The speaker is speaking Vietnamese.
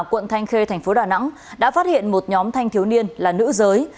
quận thanh khê tp đà nẵng đã phát hiện một nhóm thanh thiếu niên là nữ giới